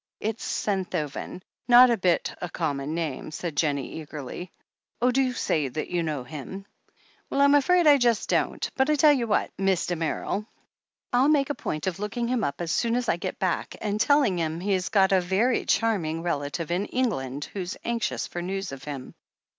"It's Senthoven, not a bit a common name," said Jennie eagerly. "Oh, do say you know him." "Well, I'm afraid I just don't — ^but I tell you what. Miss Damerel, I'll make a point of looking him up as soon as I get back, and telling him he's got a very charming relative in England who's anxious for news of him."